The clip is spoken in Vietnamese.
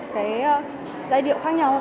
cái giai điệu khác nhau